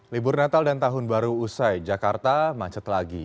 libur natal dan tahun baru usai jakarta macet lagi